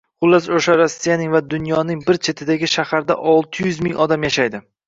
Xullas, o‘sha Rossiyaning va dunyoning bir chetidagi shaharda olti yuzming odam yashaydi.